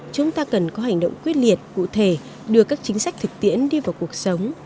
chúng ta cần có hành động quyết liệt cụ thể đưa các chính sách thực tiễn đi vào cuộc sống